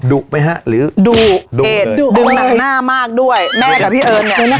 ดุไหมฮะหรือดุเอดดึงหนังหน้ามากด้วยแม่กับพี่เอิญเนี้ยเดี๋ยวนะครับ